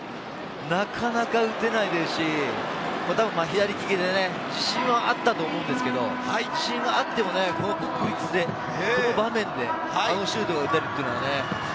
なかなか打てないですし、左利きでね、自信はあったと思うんですけれど、自信があっても、この国立でこの場面でこのシュートが打てる。